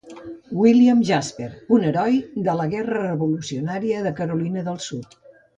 William Jasper, un heroi de la guerra revolucionària de Carolina del Sud.